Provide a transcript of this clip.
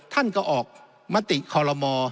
ท่านก็ออกมติคอลโลมอ